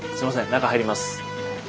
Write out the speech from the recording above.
中入ります。